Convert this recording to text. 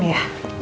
siapa pangeran ya